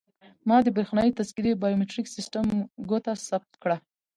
ما د بریښنایي تذکیرې بایومتریک سیستم ګوته ثبت کړه.